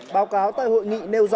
báo cáo tại hội nghị nêu rõ